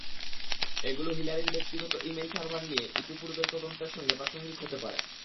এগুলো হিলারির ব্যক্তিগত email server নিয়ে ইতিপূর্বের তদন্তের সঙ্গে প্রাসঙ্গিক হতে পারে।